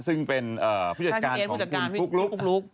ซึ่งเป็นผู้จัดการพี่ปุ๊กลุ๊ก